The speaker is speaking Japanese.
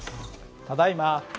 ただいま。